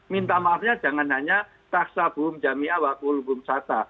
minta maafnya jangan hanya tak sabum jami'a waqul bum satta